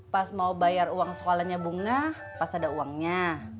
pas mau bayar uang sekolahannya bunga pas ada uangnya